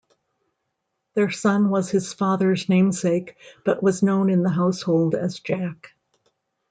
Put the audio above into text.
Their son was his father's namesake, but was known in the household as Jack.